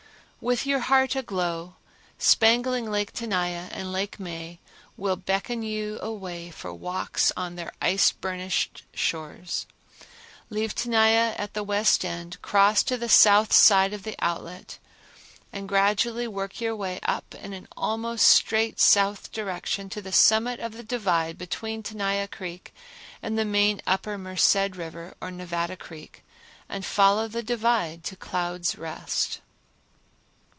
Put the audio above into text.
With your heart aglow, spangling Lake Tenaya and Lake May will beckon you away for walks on their ice burnished shores. Leave Tenaya at the west end, cross to the south side of the outlet, and gradually work your way up in an almost straight south direction to the summit of the divide between Tenaya Creek and the main upper Merced River or Nevada Creek and follow the divide to Clouds Rest.